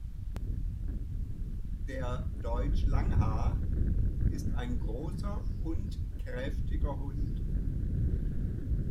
Der Deutsch Langhaar ist ein großer und kräftiger Hund.